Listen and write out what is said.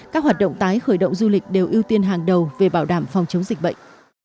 các hoạt động tái khởi động du lịch đều ưu tiên hàng đầu về bảo đảm phòng chống dịch bệnh